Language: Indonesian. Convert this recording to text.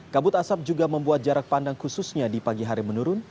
kabut asap juga membuat jarak pandang khususnya di pagi hari menurun